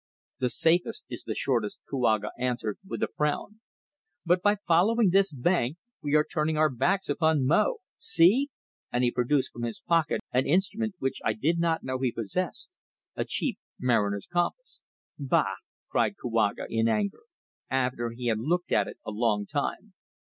"The safest is the shortest," Kouaga answered with a frown. "But by following this bank we are turning our backs upon Mo. See!" and he produced from his pocket an instrument which I did not know he possessed, a cheap mariner's compass. "Bah!" cried Kouaga in anger, after he had looked at it a long time.